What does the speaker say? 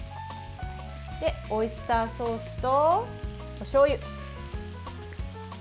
オイスターソースとおしょうゆ。